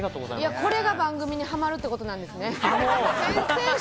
これが番組にはまるっていうことですね。